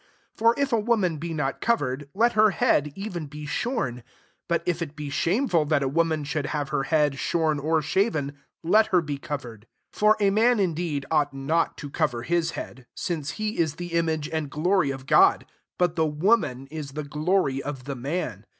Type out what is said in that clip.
6 For if a woman be not covered, let her head even be shorn: but if it be shameful that a woman should have her head shorn or shaven, let her be covered. 7 For a man indeed ought not to cover hia head, since he is the image and glory of God : but the woman is the glory of the man.